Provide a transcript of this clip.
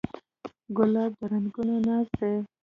ګلاب د رنګونو ناز دی.